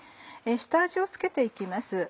下味を付けて行きます。